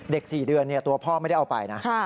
เด็ก๔เดือนเนี่ยตัวพ่อไม่ได้เอาไปนะฮะ